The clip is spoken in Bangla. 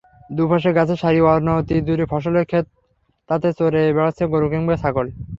দুপাশে গাছের সারি, অনতিদূরে ফসলের খেত, তাতে চরে বেড়াচ্ছে গরু কিংবা ছাগল।